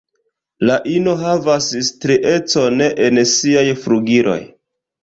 La ino havas striecon en siaj flugiloj.